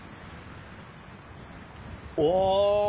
お！